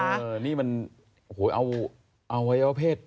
แต่นี่มันเอาไว้ว่าเพศ